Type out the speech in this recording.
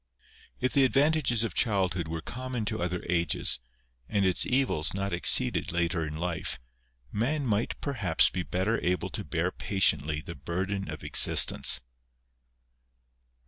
If the advantages of childhood were common to other ages, and its evils not exceeded later in life, man might perhaps be better able to bear patiently the burden of existence.